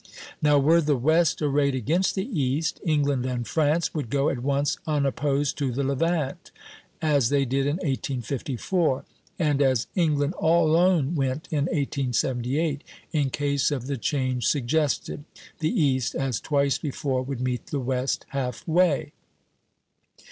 Now, were the West arrayed against the East, England and France would go at once unopposed to the Levant, as they did in 1854, and as England alone went in 1878; in case of the change suggested, the East, as twice before, would meet the West half way.